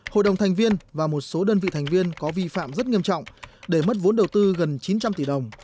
hội đồng thành viên và một số đơn vị thành viên có vi phạm rất nghiêm trọng để mất vốn đầu tư gần chín trăm linh tỷ đồng